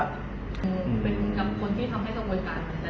เป็นคนที่ทำให้สงวนการมันจะจบลง